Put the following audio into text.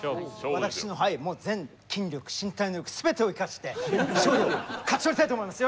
私のはいもう全筋力身体能力全てを生かして勝利を勝ち取りたいと思います。